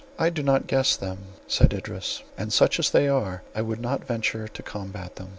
"I do guess them," said Idris, "and such as they are, I would not venture to combat them.